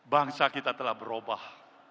bangsa kita telah berubah